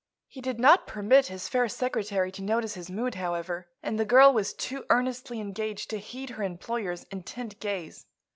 He did not permit his fair secretary to notice his mood, however, and the girl was too earnestly engaged to heed her employer's intent gaze.